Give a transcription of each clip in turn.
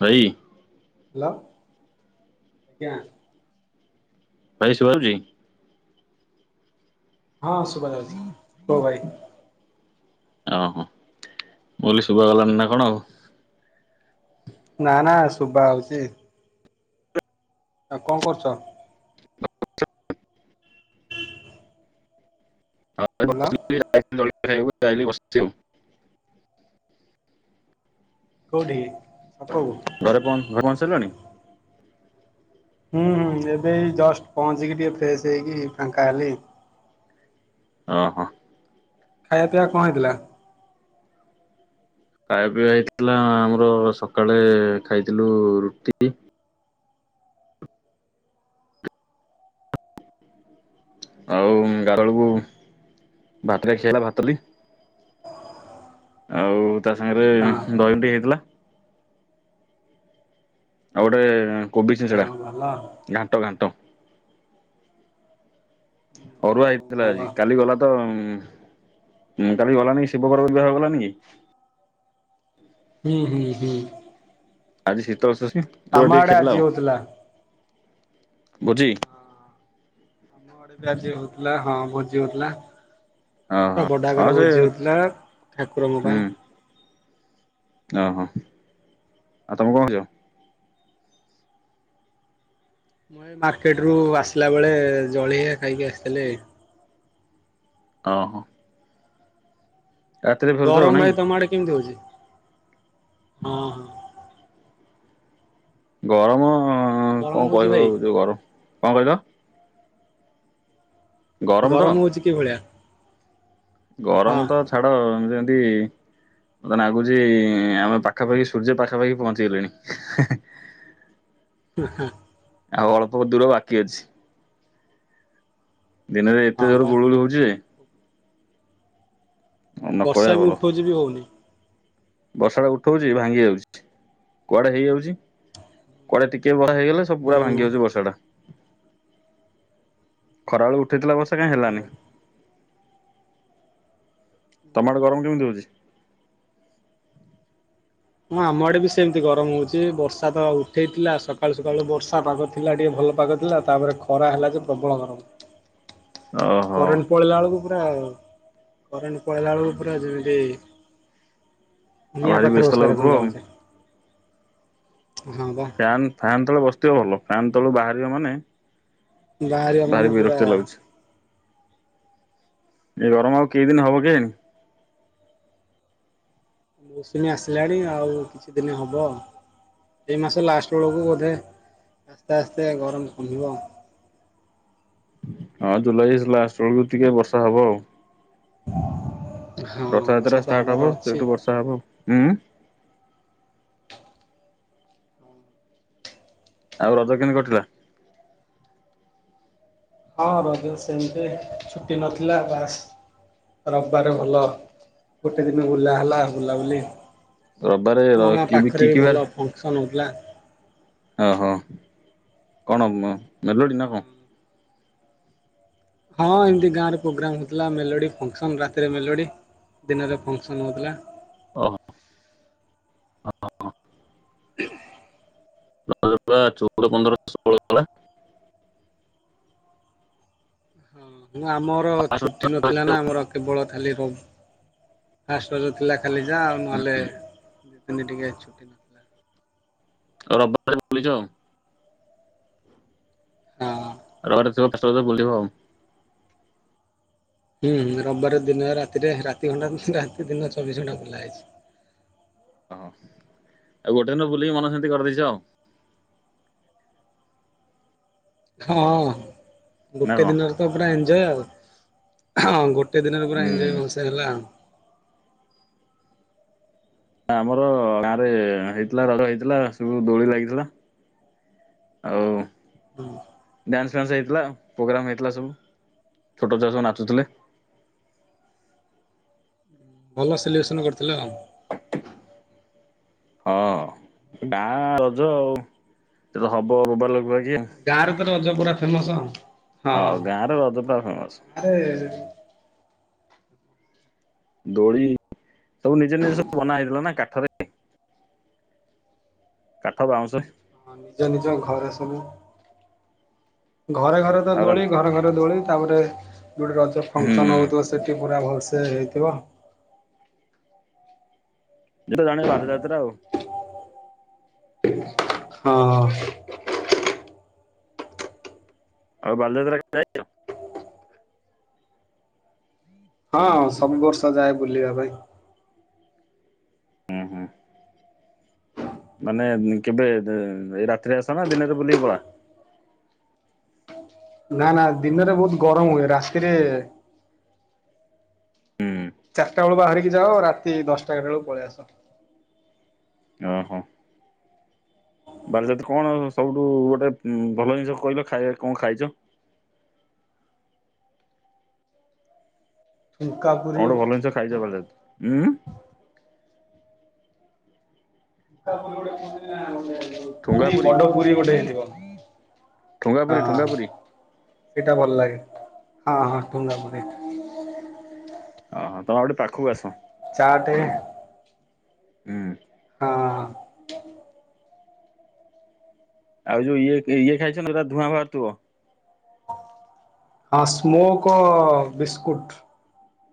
ଭାଇ ହ୍ୟାଲୋ ଆଜ୍ଞା। ଭାଇ ସୁବା ଯାଉଛି। ହଁ ସୁବା ଯାଉଛି। ହ ଭାଇ। ଓ ହୋ। ମୁଁ କହିଲି ଶୋଭା ଗଲାଣି ନା କଣ ଆଉ? ଶୁଭାଯାଉଛି? ଆ କଣ କରୁଛ? ହେଲୋ। [unintelligible] ଯାଇନି ବସିଛି ଆଉ। କୋଉଠି? ଛକକୁ ଘରେ ପହଞ୍ଚ ଘରେ ପହଞ୍ଚି ସାରିଲଣି? ହୁଁ, ହୁଁ ଏବେ ଜଷ୍ଟ ପହଞ୍ଚିକି ଟିକେ ଫ୍ରେଶ ହେଇକି ଫାଙ୍କା ହେଲି। ଅଂ ହଁ। ଖାଇବା ପିଇବା କଣ ହେଇଥିଲା। ଖାଇବା ପିଇବା ହେଇଥିଲା ଆମର ସକାଳେ ଖାଇଥିଲୁ ରୁଟି। ଆଉ ଗାରବେଳକୁ ଭାତରେ ଖିଆ ହେଇଲା ଭାତ ଡ଼ାଲି ଆଉ ତା ସାଙ୍ଗରେ ହଁ ଦହି ଟିକେ ହେଇଥିଲା। ଆଉ ଗୋଟେ କୋବି ଯା ଛିଞ୍ଚିଡା। ହଉ ଭଲ ଆଉ। ଘାଣ୍ଟ, ଘାଣ୍ଟ। ଅରୁଆ ଯାହା ହଉ ହେଇଥିଲା ଭଲ ଆଜି କାଲି ଗଲା ତ କାଲି ଗଲାନି ଶିବ ପାର୍ବତି ବିବାହ ଗଲାନି କି? ହୁଁ, ହୁଁ, ହୁଁ। ଆଜି ଶୀତ ସସ୍ ଆମ ଆଡେ ଆଜି ହଉଥିଲା। ଭୋଜି? ଆମ ଆଡେ ବି ଆଜି ହଉଥିଲା ହଁ ଭୋଜି ହଉଥିଲା। ଓହୋ ପୁରା ବଡ‌ ଆକାରରେ ହଁ ଘରେ ସେ ଭୋଜି ହୋଉଥିଲା ପା ଠାକୁରଙ୍କ ହୁଁ ପାଇଁ। ଓହୋ ଆଉ ତମେ କଣ କରୁଚ? ମୁଁ ଏଇ ମାର୍କେଟରୁ ଆସିଲା ବେଳେ ଜଳିଖିଆ ଖାଇକି ଆସିଥିଲି। ଓ ହୋ। ଗରମ ନାଇଁ ଭାଇ ତମ ଆଡେ କେମିତି ହୋଉଚି? ହଁ ହଁ। ଗରମ ହଁ ହଁ ଗରମ କଣ ହଉଛି କହିବି ଭାଇ ଆଉ ଯୋଉ ଗରମ। କଣ କହିଲ? ଗରମ ହୋଉଚି କି ଭଳିଆ? ଗରମ ହଁ ତ ଛାଡ ଯେମ ତି ମତେ ନାଗୁଚି ଆମେ ପାଖାପାଖି ସୂର୍ଯ୍ୟ ପାଖାପାଖି ପହଞ୍ଚିଗଲେଣି। ଉଁ ହୁଁ। ଆଉ ଅଳ୍ପ ଦୂର ବାକି ଅଛି। ଦିନରେ ଏତେ ହଁ ଜୋର ବା ଗୁଳୁଗୁଳି ହୋଉଚି ଯେ ନ ବର୍ଷା ବି ଉଠୋଉଚି ବି ହୋଉନି। ବର୍ଷାଟା ଉଠୋଉଚି ଭାଙ୍ଗି ଯାଉଚି କୁଆଡେ ହେଇଯାଉଚି କୁଆଡେ ଟିକେ ବ ହେଇଗଲେ ସବୁୁଗୁଡା ହୁଁ। ଭାଙ୍ଗି ଯାଉଛି ବର୍ଷା- ଖରାବେଳେ ଉଠେଇଥିଲା ବର୍ଷା। ହେଲାନି। ତମ ଆଡ଼େ ଗରମ କେମିତି ହଉଛି? ହଁ ଆମ ଆଡେ ବି ସେମିତି ଗରମ ହଉଛି ବର୍ଷା ତ ଉଠେଇଥିଲା ସକାଳୁ ସକାଳୁ ବର୍ଷା ପାଗ ଥିଲା ଟିକେ ଭଲ ପାଗ ଥିଲା ତାପରେ ଖରା ହେଲା ଯେ ପ୍ରବଳ ଗରମ। ଓହୋ କରେଣ୍ଟ ପଳେଇଇା ବେଳକୁ- ତାର କରେଣ୍ଟ ପଳେଇଲା ବେଳ ପୁର ଯେମିତି- ଆଉ ନିଆଁ ଭାରି ପାଖରେ ବ୍ୟସ୍ତ ବସିଲା ଲାଗୁଥିବ ରକମର ଆଉ ଲାଗୁଛି। ହଁ ବା ଫ୍ୟାନ୍ ଫ୍ୟନ୍ ତଳେ ବସିଥିବ ଭଲ। ଫନ୍ ତଳୁ ବାହାରିବ ମାନେ- ବାହାରିବା ଭାରି ମାନେ ପୁରା- ବିରକ୍ତି ଲାଗୁଛି। ଏ ଗରମ ଆଉ କେଇଦିନ ହବ କି? ମୌସୁମୀ ଆସିଲାଣି ଆଉ କିଛି ଦିନ ହବ। ଏଇ ମାସ ଲାଷ୍ଟ ବେଳକୁ ବୋଧେ ଆସ୍ତେ ଆସ୍ତେ ଗରମ କମିବ। ହଁ ଜୁଲାଇ ଲାଷ୍ଟ ବେଳକୁ ଟିକେ ବର୍ଷା ହବ ଆଉ। [unintelligible] ବର୍ଷା ରଥଯାତ୍ରା ତ ଷ୍ଟାର୍ଟ ହବାର ହବ ଅଛି। ସେଇଠୁ ବର୍ଷା ହବ। ହୁଁ। ଆଉ ରଜ କେମିତି କଟିଲା? ହଁ ରଜ ସେମିତି ଛୁଟି ନଥିଲା ବାସ୍ ରବିବାର ଭଲ ଗୋଟେ ଦିନ ବୁଲା ହେଲା ବୁଲାବୁଲି। ରବିବାର କି କିିବାର କଣଥିଲା ଓହୋ କଣଲୋଡ଼ି ନା କଣ ହଁ ଏମତି ଗାଁରେ ପ୍ରୋଗ୍ରାମ ହଉଥିଲା ମେଲୋଡି ଫସ ରାତିରେ ମେଲୋଡି ଦିନରେ ଫଙ୍କସନ ହଉଥିଲା ଓ ହୋ ହ ନ ଚଉଦ ପନ୍ଦରହ ଷୋହଳ କଲା ହ ଆମର ଛୁଟି ନଥିଲା ରଜ ନା ଆମର କେବଳ ଖାଲି ଫାଷ୍ଟଜ ଥିଲା ଖାଲି ଯା ନହେଲେ ଦୁ ତିନି ଟିକେ ଛୁଟି ନଥିଲା ଆଉ ରବବାର ବୋଲିଛ। ହଁ ଆ ପା ବିବ ହୁଁ ରବିବାର ଦିନ ରାତିରେ ରାତି ଘଟା ରାତି ଦିନ ଚବିଶ ଘଣ୍ଟା ଖୋଲା ହେଇଛି। ହ ଆଉ ଗୋଟେ ଦିନ ବୁଲିକି ମନ ସେମତି କରିଦେଇଛ ଆଉ ହଁ ନା ଗୋଟେ କଣ? ଦିନରେ ତ ପୁରା ଏତି ୟ ଆଉ ହଁ ଗୋଟେ କେତେ ଦିନରେ ପୁର ହୁଁ। ଏଞଜୟ ବସ ହେଲା। ଆମର ଗାଁରେ ହେଇଥିଲା ରଜ ହେଇଥିଲା ସବୁ ଦୋଳି ଲାଗିଥିଲା ଆଉ ହୁଁ ହେ ଭଲ ସେଲିବ୍ରେସନ କରିଥିଲେ ହଁ? ହଁ ଗାଁ ରଜ ଆଉ ସେ ତ ହବ ବୋବା ଲୋକ ଗାାରୁ ତ ରଜ ପୁରା ଫେମସ ହଁ ହଁ ଗରେ ରଦପ ଫ ମାସ ଗାଁରେ ଦୋଳି ସବୁ ନିଜ ନିଜ ସବୁ ବନା ହେଇଥିଲା ନା କାଠରେ କାଠ ପାଉଁଶ ହଁ ନିଜ ନିଜ ଘରେସନ ଘରେ ଘରେ ତ ଆଉ ଦୋଳି ରାତି ଘରେ ଘରେ ଦୋଳି ତାପରେ ଯଉଠି ରଜ ହୁଁ ଫଙ୍କସନ ହଉଥିବ ସେଠି ପୁରା ଭହୁ ସେ ହେଇଥିବ ତ ଜାଣିବ ଭଲ ଯାତ୍ରା ଆଉ ହଁ ଆଉ ବାଲଯାତ୍ରା ଯାଇଛ। ହଁ ସବୁ ବର୍ଷ ଯାଏ ବୁଲିବା ପାଇଁ ହୁଁ ହୁଁ। ମାନେ କେବେ ଦେ ଦେ ରାତିରେ ଆସ ନା ଦିନେରେ ବୁଲିକି ପଳା? ନା ନା ଦିନରେ ବହୁତ ଗରମ ହୁଏ ରାତିରେ ହୁଁ ଚାରିଟା ବେଳୁ ବାହାରିକି ଯାଅ ରାତି ଦଶଟାଟ ବଳକୁ ପଳେଇ ଆସ ଓହୋ ବାରଜାତ କଣ ସବୁଠୁ ଗୋଟେ ଭଲ ଜିନିଷ କହିଲ ଖାଇବା କଣ ଖାଇଛ? [inaudible] ଠୁଙ୍କା ପୁରୀ କଣ ଗୋଟେ ଭଲ ଜିନିଷ ଖାଇଛ ଵଲେ ଉଁ [unintelligible] ପୁରୀ ଠୁଙ୍ଗାପୁରୀ ବଡ ପୁରୀ ଗୋଟେ ହେଇଥିବ ଠୁଙ୍ଗାପୁରୀ ଠୁଙ୍ଗାପୁରୀ ଏଇଟା ଭଲ ଲାଗେ ହଁ ହଁ ଠୁଙ୍ଗାପୁରୀ ଓହୋ ତମେ ଗୋଟେ ପାଖକୁ ଆସ ଆଠେ ହୁଁ। ହଁ। ଆଉ ଯୋଉ ଇଏ ଇଏ ଖାଇଛନା ଯୋଉରା ଧୂଆଁ ବାହାରୁଥିବ? ହଁ ସ୍ମୋକ୍ ବିସ୍କୁଟ।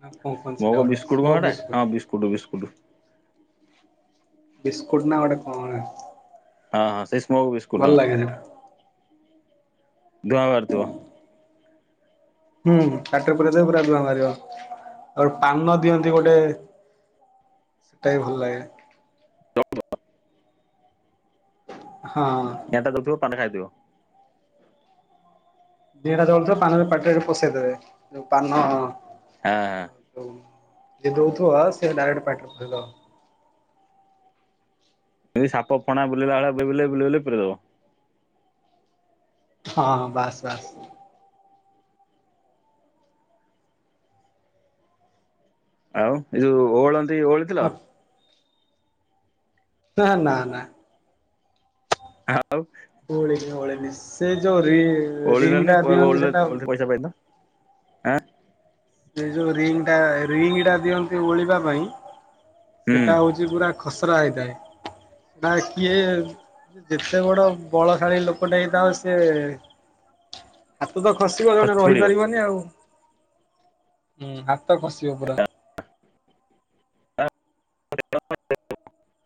ନା କଣ କଣ ସେଟା ସ୍ମୋକ ଗୋଟେ ବିସ୍କୁଟ କଣ ହେଟା ହଁ ବିସ୍କୁଟ ବିସ୍କୁଟ। ହ ବିସ୍କୁଟ୍ ନା ଗୋଟେ କହଣ? ହଁ ହଁ ସେଇ ସ୍ମୋକ ବିସ୍କୁଟ ହଁ। ଧୂଆଁ ବାହାରୁଥିବ। ହୁଁ ପଟିରେ ପରେଇଦେଲେ ପୁରା ଧୁଆଁ ବାହାରିବ ଆଉ ପାନ ଦିଅନ୍ତି ଗୋଟେ ସେଟା ବି ଭଲ ଲାଗେ। ହ [unintelligible] ଥିବ ଦିଟା ଚଳୁଥିବ ପାନରେ ପାଟିରେ ପଷେଇଦେବେ ଯୋଉ ପାନ ହାଃ। ଯେ ଦଉଥିବ ସେ ଡାଇରେକ୍ଟ ପତିରେ ପୁରେଇଦବ। ଏ ସାପ ଫଣା ବୁଲିଲଲା ପରି ବୁଲେଇ ବୁଲେଇ ପୁରେଇଦବ। ହଁ ହଁ ବାସ୍ ବାସ୍। ଆଉ ଏ ଯୋଉ ଓହୋଲାନ୍ତି ସେ ଓହୋଳିଥିଲ? ନା ନା ନା ଆଉ ଓହୋଲେନି ଓହୋଲେଣି ସେ ଜୋ ରି ରିଙ୍ଗ ଓହଳିଲନି ଟା ଦିଅନ୍ତି ସେଟା ଓହଳିଲେ ପଇସା ପାଇଲ ଆଁ ସେ ଯୋଉ ରିଙ୍ଗ ଟା ରିଙ୍ଗ ଟା ଦିଅନ୍ତି ଓଳିବା ପାଇଁ ହୁଁ ସେଟା ହଉଛି ପୁରା ଖସରା ହେଇଥାଏ ନା କିଏ ଯେତେ ବଡ଼ ବଳଶାଳୀ ଲୋକଟେ ହେଇଥାଉ ସେଏ ତୁ ତ ଖସିବ ଜଣେ ଖସି ପଡିବ ରହିପାରିବନି ଆଉ ହୁଁ ହାତ ଖସିବ ପୁରା [unintelligible]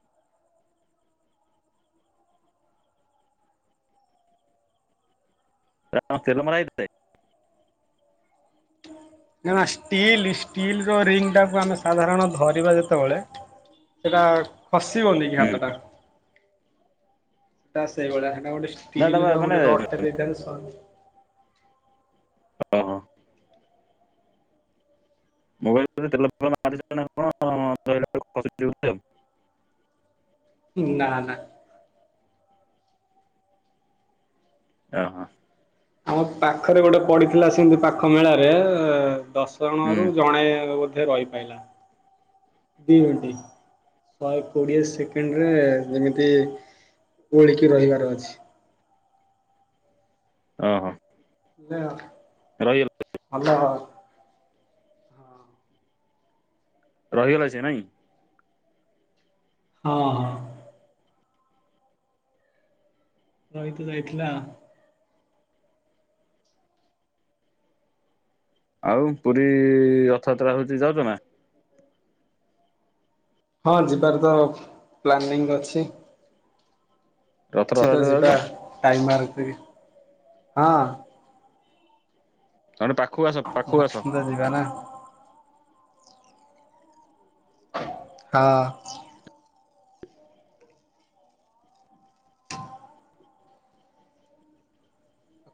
ସେଟା କଣ ତେଲ ମରାହେଇଥିଲା କି? ନା ଷ୍ଟିଲ ଷ୍ଟିଲର ରିଙ୍ଗ ଟାକୁ ଆମେ ସାଧାରଣ ଧରିବା ଯେତେବେଳେ ସେଟା- ଖସିବନି କି ହୁଁ ହାତଟା। ସେଟା ଆ ସେଇଭଳିଆ। ଗୋଟେ ନା ଏଟା ପା ଷ୍ଟିଲର ମାନେ ଗୋଟେ ରଡଟା ଦେଇଥା- ହ ହଁ। [unintelligible] ନା ନା। ଓହୋ। ଆମ ପାଖରେ ଗୋଟେ ପଡିଥିଲା ସେମିତି ପାଖ ମେଳାରେ। ଦଶ ଜଣ ରୁ ହୁଁ ଜଣେ। ରହି ପାଇଲ ନି। ଶହେ କୋଡିଏ ସେକେଣ୍ଡରେ ଯେମିତି ଓଳିକି ରହିବାର ଅଛି। ଓ ହୋ। [unintelligible] ସତ କହ। ରହିଗଲା ସିଏ ନାଇଁ। ହଁ। ରହିତ ଯାଇଥିଲା। ଆଉ ପୁରୀ ରଥଯାତ୍ରା ହଉଛି ଯାଉଛ ନା? ହଁ ଯିବାର ତ ପ୍ଲାନିଂ ଅଛି। ରଥ ସେତ ରଥଯାତ୍ରା ଯାଉଛ ଯିବା ନା? ଟାଇମ [unintelligible] ହଁ। ତମେ ପାଖକୁ ଆସ ପାଖକୁ ଆସ। ନିଶ୍ଚିନ୍ତ ଯିବା ନା ହଁ।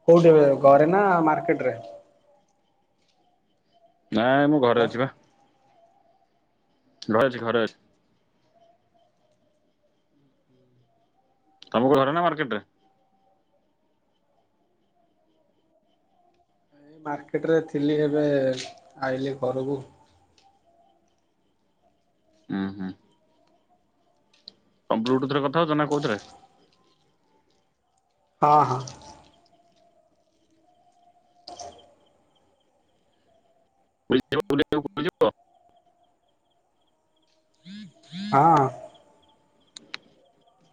କୋଉଠି ଘରେ ନା ମାର୍କେଟରେ? ନାଇଁ ମୁଁ ଘରେ ହ୍ୟାଲୋ ଅଛିବା। ଘରେ ଅଛି ଘରେ ଅ ତମ [unintelligible] ମାର୍କେଟରେ? ଏଇ ମାର୍କେଟ ରେ ଥିଲି ଏବେ ଆଇଲିି ଘରକୁ। ହଁ ହଁ। [unintelligible] ବ୍ଲୁ ଟୁଥରେ କଥା ହଉଛ ନା କଉଥିରେ? ହଁ ହଁ। [unintelligible] ହଁ।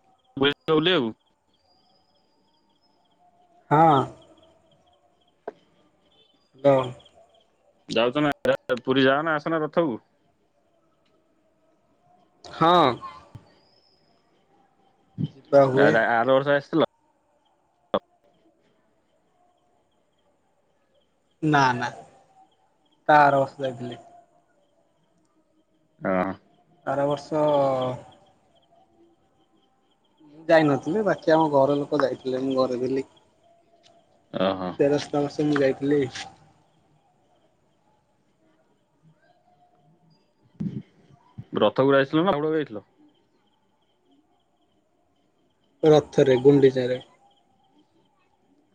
[unintelligible] ହଁ। [unintelligible] ଯାଉଛ ନା ପୁରୀ ଯାଅନା ଆସନା ରଥକୁ? ହଁ। ଯିବା ହୁଏ ଆ-ଆର ବର୍ଷ ଆଶିଥିଲା? ନା ନା ତା ଆର [unintelligible] ହ। ଆର ବର୍ଷ ମୁଁ ଯାଇନଥିଲି ବାକି ଆମ ଘର ଲୋକ ଯାଇଥିଲେ ମୁଁ ଘରେ ଥିଲି। ଓହୋ ତେରଶ ବର୍ଷ [unintelligible] ରଥ ଗୁଡା ଯାଇଥିଲ ନା [unintelligible] ଯାଇଥିଲ? ରଥରେ ଗୁଡି ଚାରେ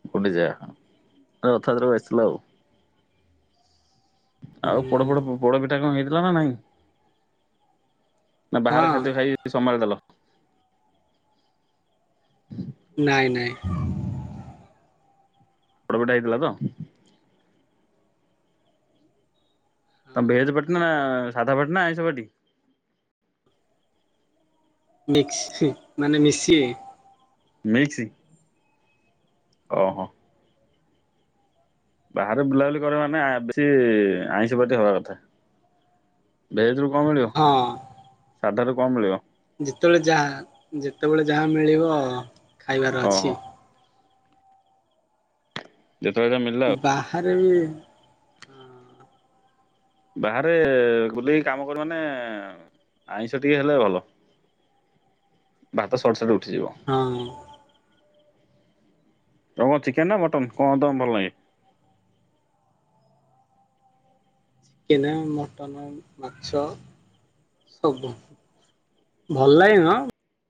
[unintelligible] ଆସଥିଲା ଆଉ ହୁଁ ଆଉ ପୋଡ ପୋଡ ପୋଡପିଠା କଣ ହେଇ ହେଲା ନାହିଁ। ନା ବାହାର ହଁ ଖାଦ୍ୟ ଖାଇ ସମ୍ଭାଳିଦ ଦେଲ ନାଇଁ ନାଇଁ। ପ୍ରାଇଭେଟ୍ ରେ ହେଇଥିଲା ତ? ତମେ ଭେଜ ପଟ ନା। ସାଧା ପାଟି ନା ଆଇଁଷ ପାଟି। ମିକ୍ସି ମାନେ ମିଶି - ମିକ୍ସି ଓହୋ। ବାହାରେ ବୁଲାବୁଲି କର ମାନେ ବେଶ ଆଇଁଷ ପ୍ରତି ହବା କଥା ଭେଜ୍ - କଣ ମିଳିବ ହଁ। ସାଧାର? କମ୍ ମିଳିବ? ଯେତେବେଳେ ଯାହା ଯେତେବେଳେ ଯାହା ମିଳିବ ଆଉ। ଖାଇବାର ଓହୋ ଅଛି। ଯେତେବେଳେ ଯା ମିଳିଲା ଆଉ। ସେରେ ବି। ବାହାରେ ବୁଲେଇକି କାମ କର ମାନେ ଆଇଁଷ ଟିକେ ହେଲେ ଭଲ। ଭାତ ସଟ ସଟ ଉଠ- ହଁ। ତମ ଚିକେନ ନା ମଟନ କଣ ତମକୁ ଭଲ ଲାଗେ? ଚିକେନ୍ ମଟନ ମାଛ ସବୁ। ଭଲ ଲାଗେନ-